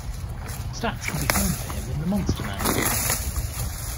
Stats can be found for him in the Monster Manual.